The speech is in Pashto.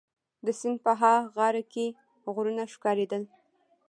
د سیند په ها غاړه کي غرونه ښکارېدل.